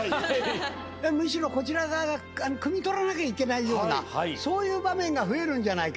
むしろこちら側がくみとらなきゃいけないようなそういう場面が増えるんじゃないか。